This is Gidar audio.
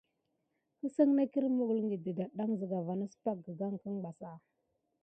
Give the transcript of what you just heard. Kesine nà kirine mukulikine de dade nayany sika mis angula pan ama.